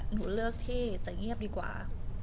หนูเลือกที่จะเงียบดีกว่า